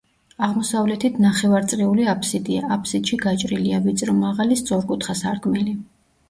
აღმოსავლეთით ნახევარწრიული აფსიდია, აფსიდში გაჭრილია ვიწრო მაღალი სწორკუთხა სარკმელი.